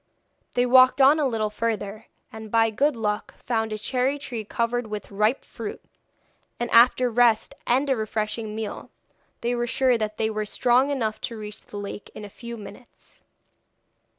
They walked on a little further, and by good luck found a cherry tree covered with ripe fruit, and after a rest and a refreshing meal, they were sure that they were strong enough to reach the lake in a few minutes.